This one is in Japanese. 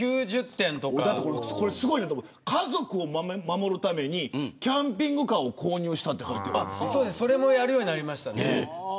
これすごい家族を守るためにキャンピングカーを購入したってそれもやるようになりました。